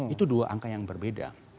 itu dua angka yang berbeda